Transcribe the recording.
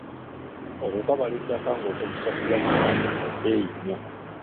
Okukabala ettaka ng'okozesa ttulakita kya bbeeyi nnyo.